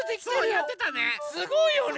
すごいよね！